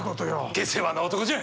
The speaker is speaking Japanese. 下世話な男じゃ。